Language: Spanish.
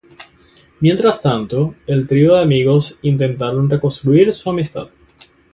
Mientras tanto, el trío de amigos intentará reconstruir su amistad.